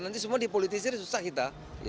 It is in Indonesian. nanti semua dipolitisir susah kita